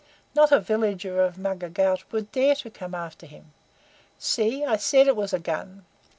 Not a villager of Mugger Ghaut would dare to come after him. See, I said it was a gun!